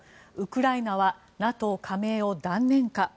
ウクライナはＮＡＴＯ加盟を断念か。